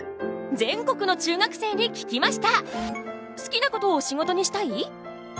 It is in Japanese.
全国の中学生に聞きました！